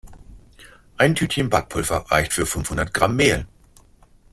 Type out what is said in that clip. Ein Tütchen Backpulver reicht für fünfhundert Gramm Mehl.